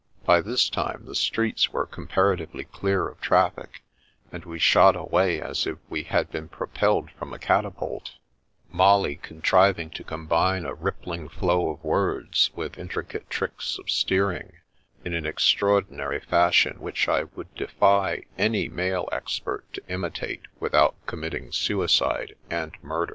By this time the streets were comparatively clear of traffic, and we shot away as if we had been propelled from a catapult, Molly contriving to combine a rippling flow of words with intricate tricks of steering, in an extraordinary fashion which I would defy any male expert to imitate without com mitting suicide and murder.